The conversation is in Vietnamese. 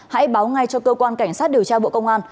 hãy báo ngay cho cơ quan cảnh sát điều tra bộ công an